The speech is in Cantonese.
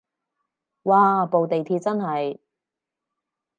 嘩部地鐵真係